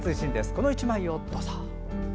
この１枚をどうぞ。